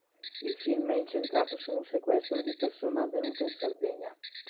Il film è incentrato su un sequestro di persona avvenuto in Sardegna.